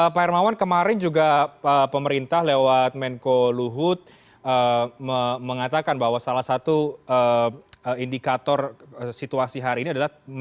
pak hermawan kemarin juga pemerintah lewat menko luhut mengatakan bahwa salah satu indikator situasi hari ini adalah